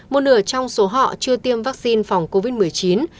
một nửa trong số họ chưa tiêm vaccine phòng covid một mươi chín